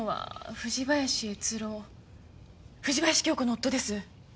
藤林経子の夫です。